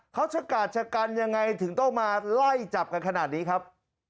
เขาชะกาดชะกันยังไงถึงต้องมาไล่จับกันขนาดนี้ครับ